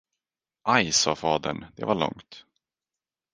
Aj, sade fadern, det var långt.